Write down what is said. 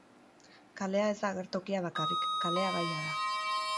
Kalea ez da agertokia bakarrik, kalea gaia da.